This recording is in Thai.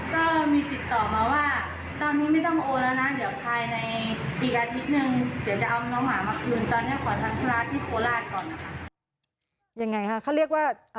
ก็มีติดต่อมาว่าตอนนี้ไม่ต้องโอนแล้วนะเดี๋ยวภายในอีกอาทิตย์หนึ่ง